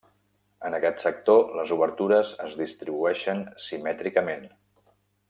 En aquest sector les obertures es distribueixen simètricament.